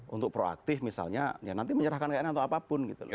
untuk proaktif misalnya ya nanti menyerahkan keadaan atau apapun gitu loh